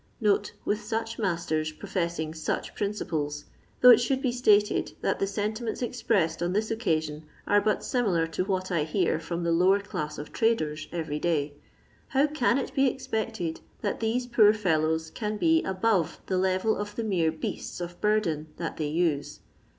[With such masters professing such principles — though it should be stated that the sentiments expressed on this occa sion are but similar to what I hear from the lower class of traders every day — how can it be expected that these poor fellows can be above the level of the mere beasts of burden that they use.